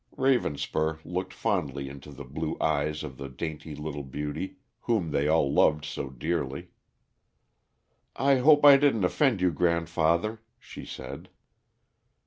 Ravenspur looked fondly into the blue eyes of the dainty little beauty whom they all loved so dearly. "I hope I didn't offend you, grandfather," she said.